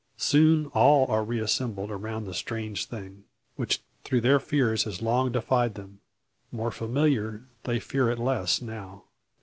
Soon all are re assembled round the strange thing, which through their fears has long defied them. More familiar, they fear it less now.